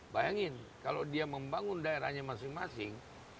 bayangin kalau dia membangun daerahnya masing masing